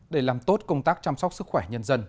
để làm tốt công tác chăm sóc sức khỏe nhân dân